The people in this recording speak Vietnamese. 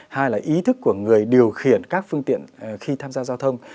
hai là ý thức của người điều khiển các phương tiện khi tham gia giao thông